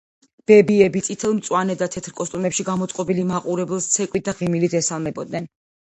ბებიები, წითელ, მწვანე, და თეთრ კოსტუმებში გამოწყობილი მაყურებელს ცეკვით და ღიმილით ესალმებოდნენ.